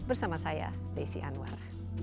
bersama saya desy anwar